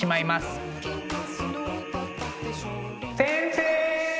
先生！